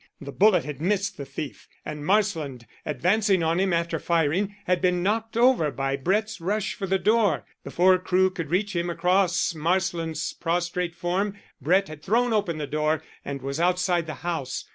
The bullet had missed the thief, and Marsland, advancing on him after firing, had been knocked over by Brett's rush for the door. Before Crewe could reach him across Marsland's prostrate form Brett had thrown open the door and was outside the house.